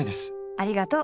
ありがとう。